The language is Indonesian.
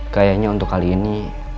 kayaknya untuk kali ini